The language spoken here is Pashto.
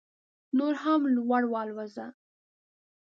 نور هم لوړ والوځه